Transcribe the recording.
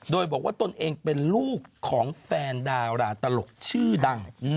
โดยบอกว่าตนเองเป็นลูกของแฟนดาราตลกชื่อดัง